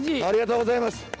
ありがとうごさいます。